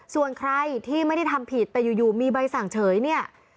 ส่วนใครที่ไม่ได้ทำผิดแต่อยู่มีใบสั่งเฉยเนี่ย